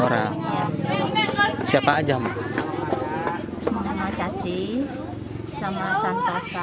bocor nggak mak kalau hujan